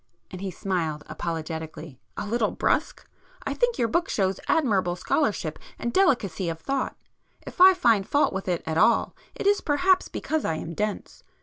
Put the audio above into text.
and he smiled apologetically—"a little brusque? I think your book shows admirable scholarship and delicacy of thought,—if I find fault with it at all, it is perhaps because I am dense.